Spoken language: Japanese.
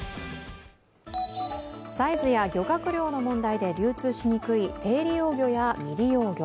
サイズや漁獲量の問題で流通しにくい低利用魚や未利用魚。